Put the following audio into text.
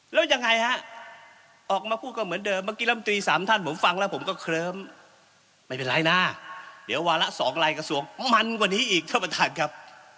แล้วยังไงฮะออกมาพูดก็เหมือนเดิมเมื่อกี้ลำตรีสามท่านผมฟังแล้วผมก็เคลิ้มไม่เป็นไรนะเดี๋ยววาระ๒ลายกระทรวงมันกว่านี้อีกท่านประธานครับ